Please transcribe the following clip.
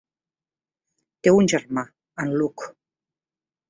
Té un germà, en Luke.